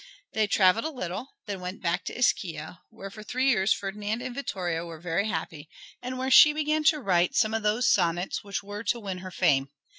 They traveled a little and then went back to Ischia, where for three years Ferdinand and Vittoria were very happy, and where she began to write some of those sonnets which were to win her fame.